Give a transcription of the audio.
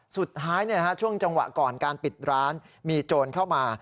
สุดท้ายเนี่ยช่วงจังหวะก่อนการปิดร้านมีโจรเข้ามา